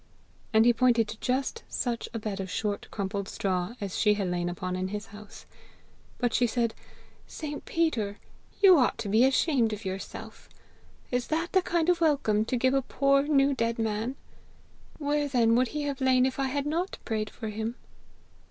And he pointed to just such a bed of short crumpled straw as she had lain upon in his house. But she said, 'St. Peter, you ought to be ashamed of yourself! Is that the kind of welcome to give a poor new dead man? Where then would he have lain if I had not prayed for him?'